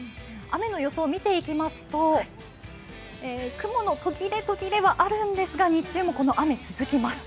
雨の予想を見ていきますと、雲の途切れ途切れはあるんですが、日中もこの雨続きます。